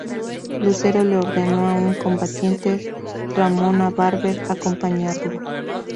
Lucero le ordenó a una combatiente, Ramona Barber, acompañarlo.